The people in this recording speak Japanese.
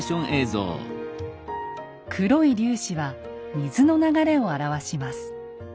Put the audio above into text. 黒い粒子は水の流れを表します。